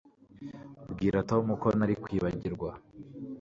Bwira Tom ko ntamwibagiwe